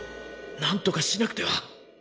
なんとかしなくては！